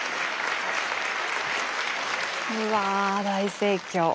うわ大盛況。